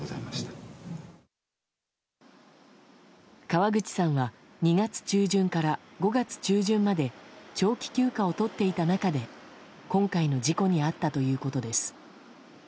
河口さんは２月中旬から５月中旬まで長期休暇を取っていた中で今回の事故に遭ったということです。